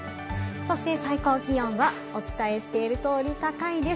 そして最高気温はお伝えしている通り高いです。